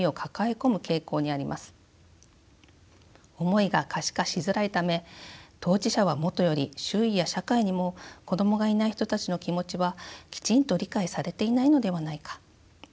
思いが可視化しづらいため当事者はもとより周囲や社会にも子どもがいない人たちの気持ちはきちんと理解されていないのではないか。